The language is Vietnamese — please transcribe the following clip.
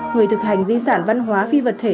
người thực hành di sản văn hóa phi vật thể